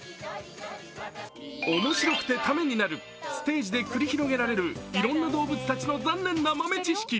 面白くてためになるステージで繰り広げられるいろんな動物たちの残念な豆知識。